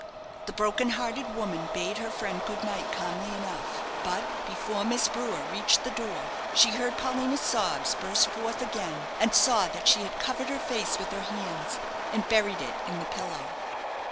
The broken hearted woman bade her friend good night calmly enough, but before Miss Brewer reached the door, she heard Paulina's sobs burst forth again, and saw that she had covered her face with her hands, and buried it in the pillow.